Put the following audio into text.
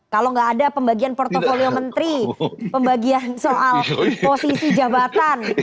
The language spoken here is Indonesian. kalau nggak ada pembagian portfolio menteri pembagian soal posisi jabatan